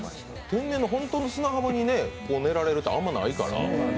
天然の砂浜に寝られるってあんまないから。